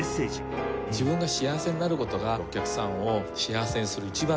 自分が幸せになる事がお客さんを幸せにする一番大切な事。